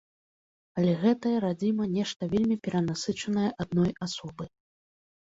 Але гэтая радзіма нешта вельмі перанасычаная адной асобай.